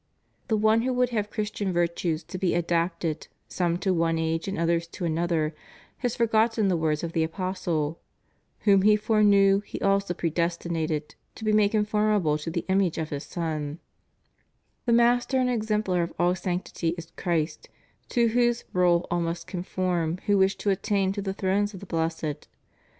The one who would have Christian virtues to be adapted, some to one age and others to another, has forgotten the words of the Apostle: Whom he foreknew, he also predestinated to be made conformable to the image of His Son,^ The Master and exemplar of all sanctity is Christ, to whose rule all must conform who wish to attain to the thrones of the blessed.